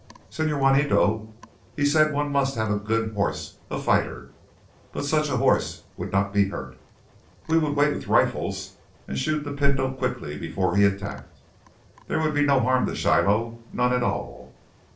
"Señor Juanito—he said one must have a good horse, a fighter. But such a horse would not be hurt. We would wait with rifles and shoot the pinto quickly before he attacked. There would be no harm to Shiloh, none at all.